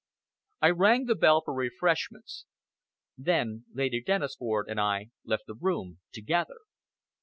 I rang the bell for refreshments. Then Lady Dennisford and I left the room together.